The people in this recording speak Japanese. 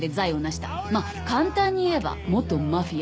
まあ簡単に言えば元マフィア。